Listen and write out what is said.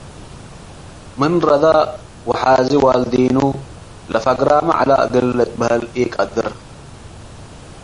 ምን ረደ ወሓዚ ዋልዴኑ ለፈግርመ ዐለ እግል ልትበሀል ኢቀድር ።